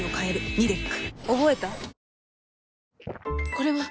これはっ！